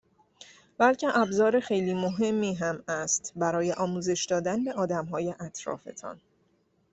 بلکه ابزار خیلی مهمی هم است برای آموزش دادن به آدمهای اطرافتان